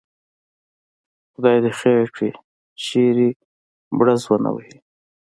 خدای دې خیر کړي، چېرته بړز ونه وهي.